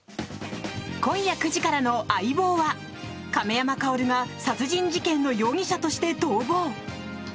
今夜９時からの「相棒」は亀山薫が殺人事件の容疑者として逃亡。